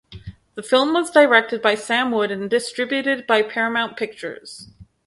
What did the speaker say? The film was directed by Sam Wood and distributed by Paramount Pictures.